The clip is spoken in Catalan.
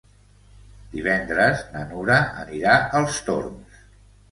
Divendres na Nura anirà als Torms.